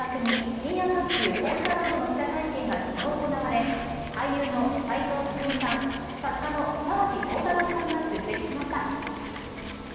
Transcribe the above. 深夜特急オン・ザ・ロード」の記者会見が昨日行われ俳優の斎藤工さん、作家の沢木耕太郎さんが出席しました。